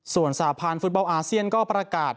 ส่วนสาพันธ์ฟุตบอลอาเซียนก็ประกาศ